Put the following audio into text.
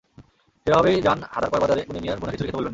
যেভাবেই যান হাদারপার বাজারে গনি মিয়ার ভুনা খিচুড়ি খেতে ভুলবেন না।